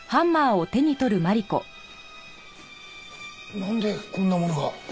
なんでこんなものが？